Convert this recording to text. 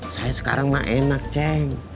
saya sekarang mah enak ceng